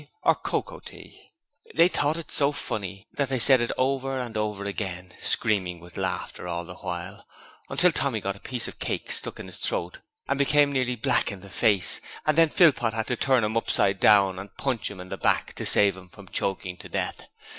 or 'cocoa tea?' They thought it so funny that they said it over and over again, screaming with laughter all the while, until Tommy got a piece of cake stuck in his throat and became nearly black in the face, and then Philpot had to turn him upside down and punch him in the back to save him from choking to death.